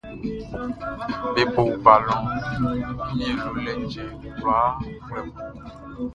Be bo balɔn Wunmiɛn-lolɛ-cɛn kwlaa nglɛmun.